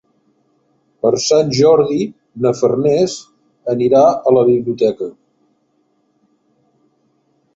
Per Sant Jordi na Farners anirà a la biblioteca.